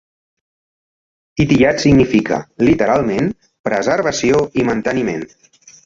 "Ihtiyat" significa, literalment, preservació i manteniment.